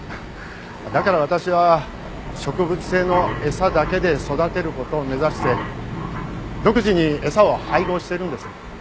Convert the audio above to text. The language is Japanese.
だから私は植物性の餌だけで育てる事を目指して独自に餌を配合しているんです。